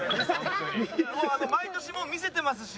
もう毎年見せてますし。